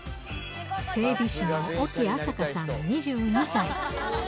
整備士の沖朝香さん２２歳。